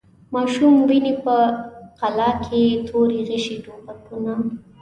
ماشوم ویني په قلا کي توري، غشي، توپکونه